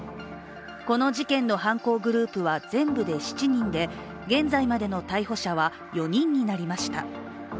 この事件の犯行グループは全部で７人で現在までの逮捕者は４人になりました。